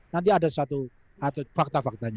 nanti ada suatu fakta faktanya